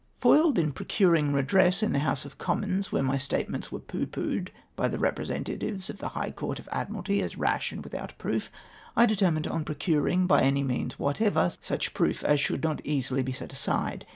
Foiled in procuring redress in the House of Com mons, where my statements were pooh poohed by the representatives of the High Court of Admiralty as rash and without proof, I determined on procuring, by any means whatever, such proof as should not easily be set aside.